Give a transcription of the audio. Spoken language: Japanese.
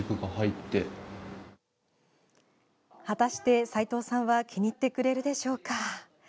果たして齊藤さんは気に入ってくれるでしょうか？